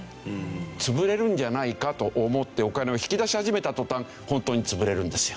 潰れるんじゃないかと思ってお金を引き出し始めた途端本当に潰れるんですよ。